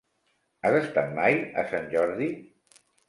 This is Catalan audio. Has estat mai a Sant Jordi?